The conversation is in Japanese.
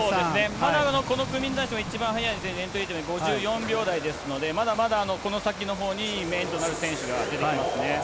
まだこの組に対しては一番速いエントリータイム５４秒台ですので、まだまだこの先のほうにメインとなる選手が出てきますね。